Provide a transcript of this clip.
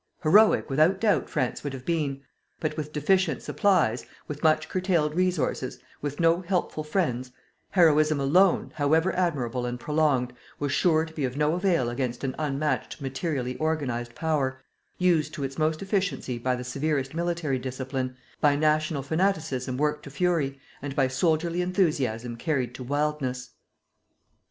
Heroic, without doubt France would have been. But with deficient supplies, with much curtailed resources, with no helpful friends, heroism alone, however admirable and prolonged, was sure to be of no avail against an unmatched materially organized power, used to its most efficiency by the severest military discipline, by national fanaticism worked to fury, and by soldierly enthusiasm carried to wildness.